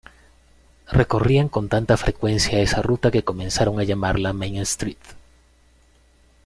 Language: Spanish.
Recorrían con tanta frecuencia esa ruta que comenzaron a llamarla "Main St".